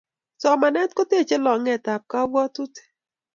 somanet kotechei longet ap kapwatutik